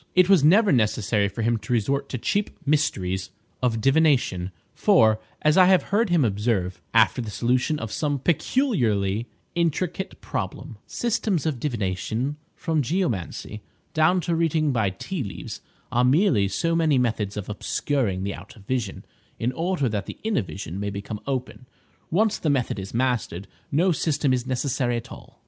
It was never necessary for him to resort to the cheap mysteries of divination; for, as I have heard him observe, after the solution of some peculiarly intricate problem— "Systems of divination, from geomancy down to reading by tea leaves, are merely so many methods of obscuring the outer vision, in order that the inner vision may become open. Once the method is mastered, no system is necessary at all."